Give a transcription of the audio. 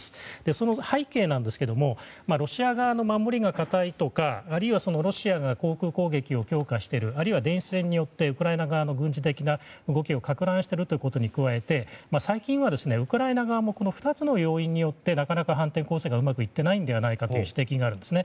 その背景なんですがロシア側の守りが堅いとかあるいはロシアが航空攻撃を強化しているあるいは電子戦によってウクライナ側の軍事的な動きをかく乱しているということに加えて最近はウクライナ側も２つの要因によってなかなか反転攻勢がうまくいっていないのではないかという指摘があるんですね。